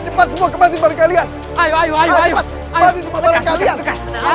cepat semua kemasin bareng kalian